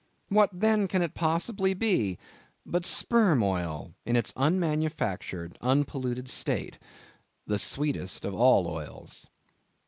What then can it possibly be, but sperm oil in its unmanufactured, unpolluted state, the sweetest of all oils?